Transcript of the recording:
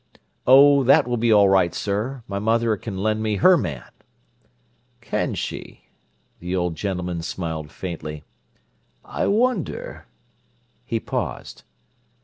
"Oh, that will be all right, sir. My mother can lend me her man." "Can she?" The old gentleman smiled faintly. "I wonder—" He paused.